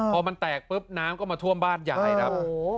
พอมันแตกปุ๊บน้ำก็มาท่วมบ้านยายครับ